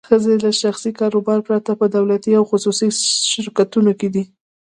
ښځې له شخصي کاروبار پرته په دولتي او خصوصي شرکتونو کې دي.